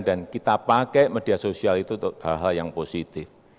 dan kita pakai media sosial itu untuk hal hal yang positif